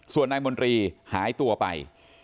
ส่วนนายมนตรีหายตัวไป